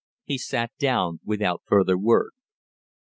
He sat down without further word.